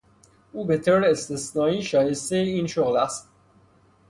او به طور استثنایی شایستهی این شغل است.